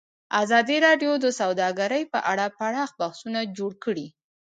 ازادي راډیو د سوداګري په اړه پراخ بحثونه جوړ کړي.